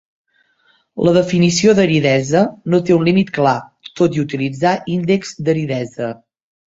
La definició d'aridesa no té un límit clar, tot i utilitzar índexs d'aridesa.